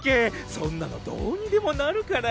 そんなのどうにでもなるから。